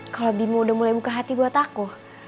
kalau bimo udah mulai buka hati buat aku